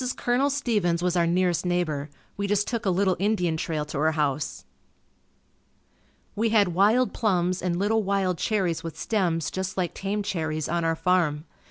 Colonel Stevens was our nearest neighbor. We just took a little Indian trail to her house. We had wild plums and little wild cherries with stems just like tame cherries, on our farm.